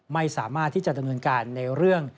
ไม่สามารถที่จะดำเนินการในเรื่อง